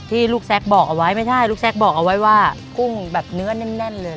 ลูกแซ็กบอกเอาไว้ไม่ใช่ลูกแซ็กบอกเอาไว้ว่ากุ้งแบบเนื้อแน่นเลย